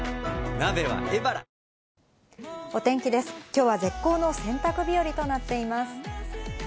今日は絶好の洗濯日和となっています。